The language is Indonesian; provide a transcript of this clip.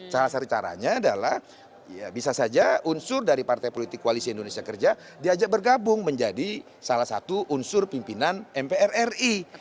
salah satu caranya adalah bisa saja unsur dari partai politik koalisi indonesia kerja diajak bergabung menjadi salah satu unsur pimpinan mpr ri